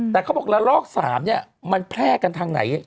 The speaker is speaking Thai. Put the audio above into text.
แต่เขาบอกละรก๓มันแพรกกันทางไหนก็ยังไง